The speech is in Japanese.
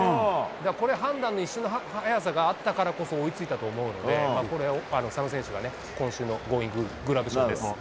だからこれ、判断の一瞬の早さがあったからこそ追いつくと思うので、佐野選手がね、今週のゴーインググラブ賞です。